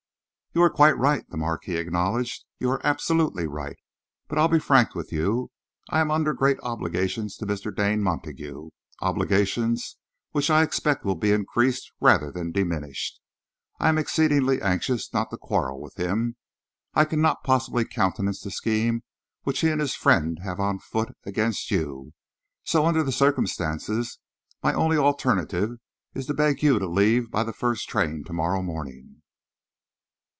"You are quite right," the Marquis acknowledged. "You are absolutely right. But I will be frank with you. I am under great obligations to Mr. Dane Montague, obligations which I expect will be increased rather than diminished. I am exceedingly anxious not to quarrel with him. I cannot possibly countenance the scheme which he and his friend have on foot against you, so under the circumstances my only alternative is to beg you to leave by the first train to morrow morning."